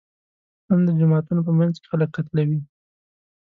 ان د جوماتونو په منځ کې خلک قتلوي.